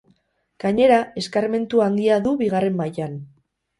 Gainera, eskarmentu handia du bigarren mailan.